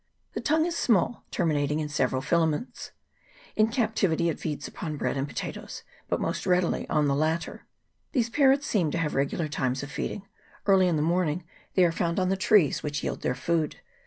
The tongue is small, termi nating in several filaments. In captivity it feeds 56 TORY CHANNEL. [PART I. upon bread and potatoes, but most readily on the latter. These parrots seem to have regular times of feeding : early in the morning they are found on the trees which yield their food.